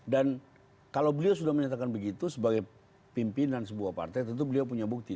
dan kalau beliau sudah menyatakan begitu sebagai pimpin dan sebuah partai tentu beliau punya bukti